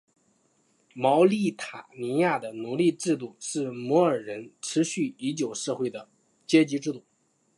茅利塔尼亚的奴隶制度是摩尔人持续已久社会的阶级制度。